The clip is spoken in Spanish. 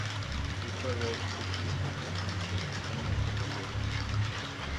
Dicha red existe en Francia, España y Portugal.